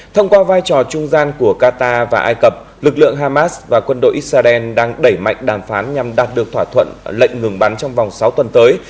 thông qua vai trò trung gian của qatar và ai cập lực lượng hamas và quân đội israel đang đẩy mạnh đàm phán nhằm đạt được thỏa thuận lệnh ngừng bắn trong vòng sáu tuần tới